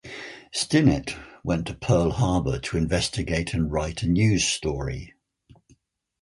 Stinnett went to Pearl Harbor to investigate and write a news story.